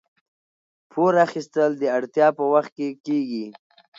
پور اخیستل د اړتیا په وخت کې کیږي.